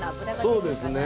そうですね。